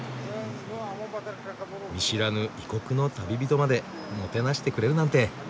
見知らぬ異国の旅人までもてなしてくれるなんて。